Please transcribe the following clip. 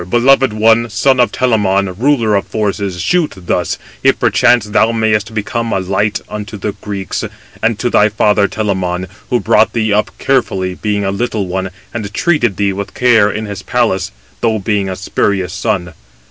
"Teucer, beloved one, son of Telamon, ruler of forces, shoot thus, if perchance thou mayest become a light 280 to the Greeks, and to thy father Telamon, who brought thee up carefully, being a little one, and treated thee with care in his palace, though being a spurious son.